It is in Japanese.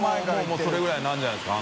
もうそれぐらいになるんじゃないですか？